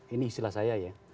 ini istilah saya ya